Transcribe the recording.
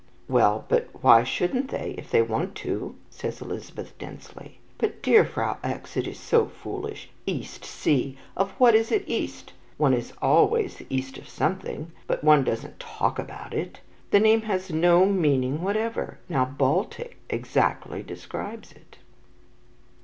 "Well, but why shouldn't they, if they want to?" says Elizabeth densely. "But, dear Frau X, it is so foolish. East sea! Of what is it the east? One is always the east of something, but one doesn't talk about it. The name has no meaning whatever. Now 'Baltic' exactly describes it."